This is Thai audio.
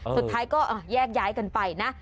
สุดท้ายก็แยกย้ายกันไปนะ